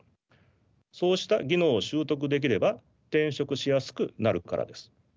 そうした技能を習得できれば転職しやすくなるからです。